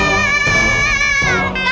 gak ada apa apa